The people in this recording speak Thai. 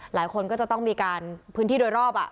หลายคนก็จะต้องมีการพื้นที่โดยรอบ